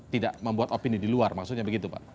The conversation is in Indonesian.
tidak membuat opini di luar maksudnya begitu pak